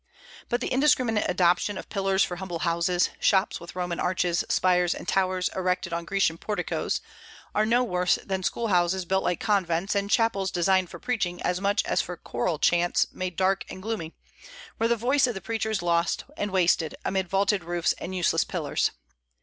But the indiscriminate adoption of pillars for humble houses, shops with Roman arches, spires and towers erected on Grecian porticoes, are no worse than schoolhouses built like convents, and chapels designed for preaching as much as for choral chants made dark and gloomy, where the voice of the preacher is lost and wasted amid vaulted roofs and useless pillars.